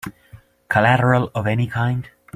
Collateral of any kind?